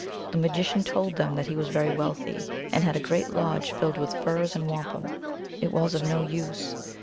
The magician told them that he was very wealthy, and had a great lodge filled with furs and wampum. It was of no use.